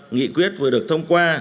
nghị quyết vừa được thông qua